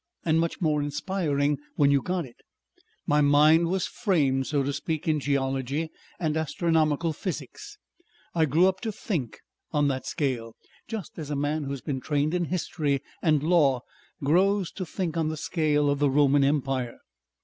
And much more inspiring when you got it. My mind was framed, so to speak, in geology and astronomical physics. I grew up to think on that scale. Just as a man who has been trained in history and law grows to think on the scale of the Roman empire.